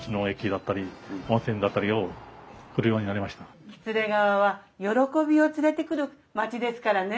いや喜連川は喜びを連れてくる町ですからね。